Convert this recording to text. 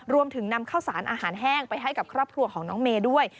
รวมถึงนำข้าวสารอาหารแห้งไปให้กับครอบครัวของน้องเมย์ด้วย